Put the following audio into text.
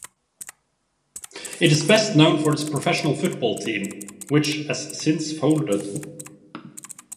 It is best known for its professional football team, which as since folded.